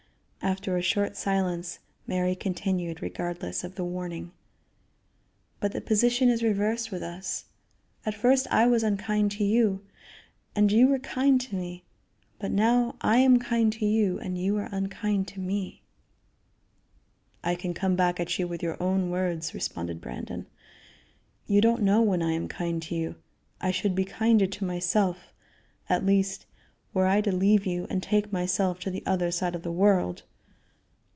After a short silence Mary continued, regardless of the warning: "But the position is reversed with us; at first I was unkind to you, and you were kind to me, but now I am kind to you and you are unkind to me." "I can come back at you with your own words," responded Brandon. "You don't know when I am kind to you. I should be kinder to myself, at least, were I to leave you and take myself to the other side of the world."